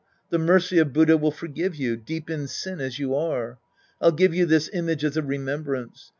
The mercy of Buddha will forgive you, deep in sin as you are. I'll give you this image as a remembrance.